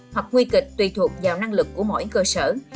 hoặc nguy kịch tùy thuộc vào năng lực của mỗi cơ sở